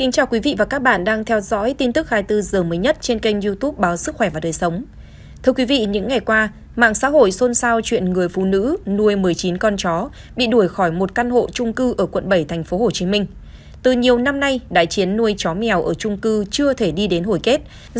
các bạn hãy đăng ký kênh để ủng hộ kênh của chúng mình nhé